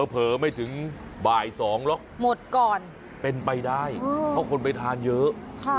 เผลอไม่ถึงบ่าย๒หรอกหมดก่อนเป็นไปได้เพราะคนไปทานเยอะ